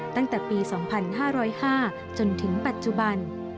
ตั้งแต่ปี๒๕๐๕จนถึงปัจจุบัน